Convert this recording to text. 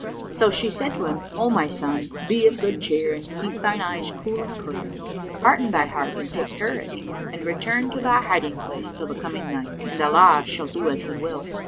So she said to him, "O my son, be of good cheer and keep thine eyes cool and clear, hearten thy heart and take courage and return to thy hiding place till the coming night, and Allah shall do as He will."